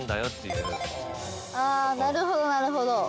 なるほどなるほど。